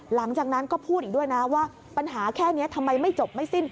หลังจากนั้นก็พูดอีกด้วยนะว่าปัญหาแค่นี้ทำไมไม่จบไม่สิ้น